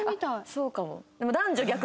そうかも。